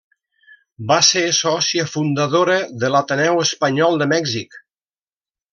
Va ser sòcia fundadora de l'Ateneu Espanyol de Mèxic.